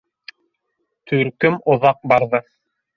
Төркөм оҙаҡ барҙы.